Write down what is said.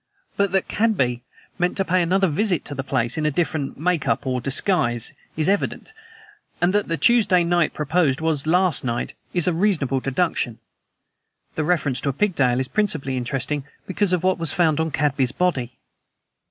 But that Cadby meant to pay another visit to the place in a different 'make up' or disguise, is evident, and that the Tuesday night proposed was last night is a reasonable deduction. The reference to a pigtail is principally interesting because of what was found on Cadby's body."